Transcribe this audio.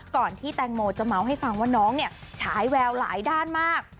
ก่อนที่แตงโมจะเมาส์ให้ฟังว่าน้องเนี่ยฉายแววหลายด้านมาก